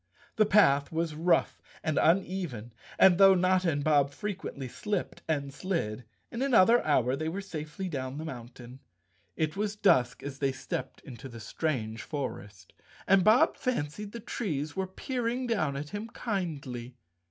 The path was rough and uneven and, though Notta and Bob frequently slipped and slid, in another hour they were safely down the mountain. It was dusk as they stepped into the strange forest, and Bob fancied the trees were peering 232 Chapter Seventeen down at him kindly.